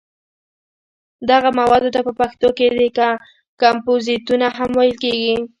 دغه موادو ته په پښتو کې کمپوزیتونه هم ویل کېږي.